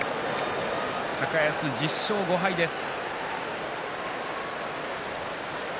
高安は１０勝５敗です。